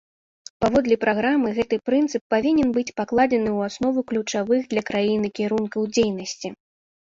Паводле праграмы, гэты прынцып павінен быць пакладзены ў аснову ключавых для краіны кірункаў дзейнасці.